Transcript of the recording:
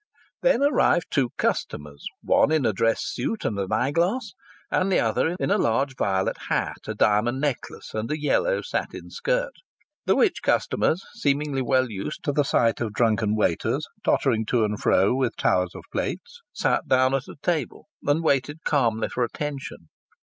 Then arrived two customers, one in a dress suit and an eyeglass, and the other in a large violet hat, a diamond necklace and a yellow satin skirt. The which customers, seemingly well used to the sight of drunken waiters tottering to and fro with towers of plates, sat down at a table and waited calmly for attention.